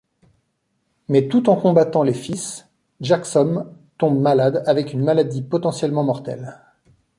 Mais tout en combattant les fils, Jaxom tombe malade avec une maladie potentiellement mortelle.